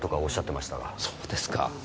そうですか。